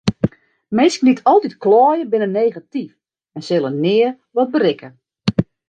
Minsken dy't altyd kleie binne negatyf en sille nea wat berikke.